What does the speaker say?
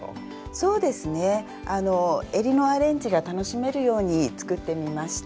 そうですねえりのアレンジが楽しめるように作ってみました。